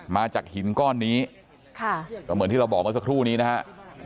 มาจากหินก้อนนี้ก็เหมือนที่เราบอกเมื่อสักครู่นี้นะฮะ